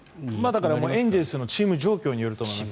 だからエンゼルスのチーム状況によると思います。